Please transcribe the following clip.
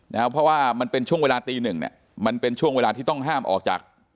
เพราะว่ามันเป็นช่วงเวลาตีหนึ่งเนี่ยมันเป็นช่วงเวลาที่ต้องห้ามออกจาก